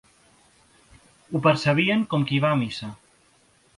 Ho percebien com qui va a missa.